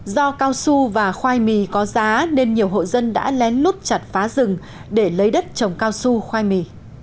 do cao su và khoai mì có giá nên nhiều hộ dân đã lén lút chặt phá rừng để lấy đất trồng cao su khoai mì